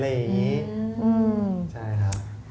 อเรนนี่ใช่ครับ